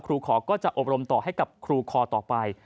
ขอก็จะอบรมต่อให้กับครูคอต่อไป